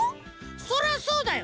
そりゃそうだよ。